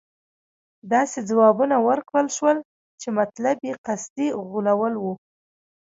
داسې ځوابونه ورکړل شول چې مطلب یې قصدي غولول وو.